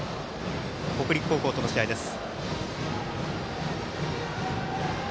北陸高校との試合です。